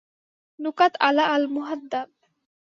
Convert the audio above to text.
নুকাত `আলা আল-মুহাদ্দাব